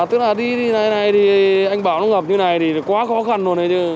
tức là đi này này thì anh bảo nó gặp như này thì quá khó khăn luôn đấy chứ